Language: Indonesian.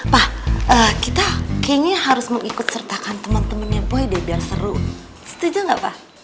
pak kita kayaknya harus mengikut sertakan temen temennya boy deh biar seru setuju nggak pak